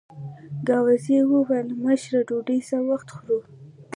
ګاووزي وویل: مشره ډوډۍ څه وخت خورو؟